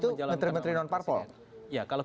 itu menteri menteri nonpartai ya kalau